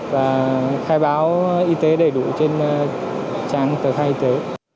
và khai báo y tế đầy đủ trên trang tờ khai y tế